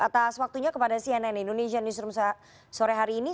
atas waktunya kepada cnn indonesia newsroom sore hari ini